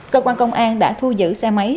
cơ quan công an đã thu giữ xe máy